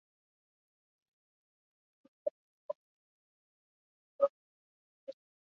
La ciudad de Stamford está situada justo en el límite de Lincolnshire.